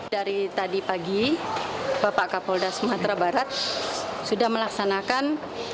dari tadi pagi bapak kapolda sumatera barat sudah melaksanakan